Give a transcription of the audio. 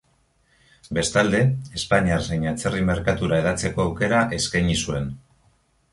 Bestalde, espainiar zein atzerri merkatura hedatzeko aukera eskaini zuen.